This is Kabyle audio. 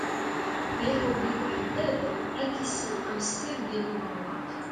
Ma iḥubb-ik uḥeddad, ak iselqem s tirgin ubeṛwaq.